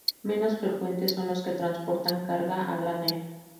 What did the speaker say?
Menos frecuentes son los que transportan carga a granel.